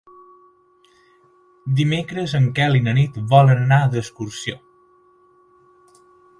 Dimecres en Quel i na Nit volen anar d'excursió.